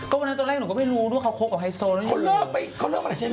ก็วันนั้นตอนแรกหนูก็ไม่รู้ด้วยว่าเขาคบกับไฮโซเขาเลิกไปเขาเลิกมาแล้วใช้เลิก